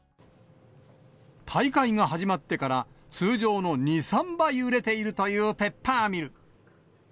大会が始まってから、通常の２、３倍売れているというペッパーミル。